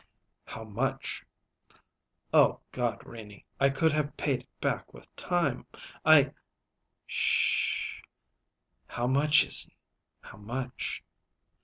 "How much?" "O God, Renie! I could have paid it back with time; I " "'Sh h h! How much, Izzy how much?"